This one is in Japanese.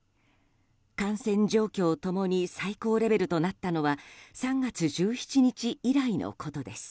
感染状況ともに最高レベルとなったのは３月１７日以来のことです。